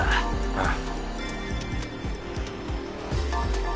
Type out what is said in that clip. ああ。